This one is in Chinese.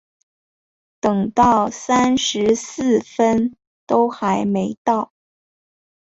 等到三十四分都还没到